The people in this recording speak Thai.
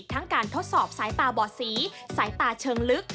ทั้งการทดสอบสายตาบ่อสีสายตาเชิงลึก